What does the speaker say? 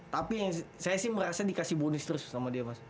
tapi saya sih merasa dikasih bonus terus sama dia mas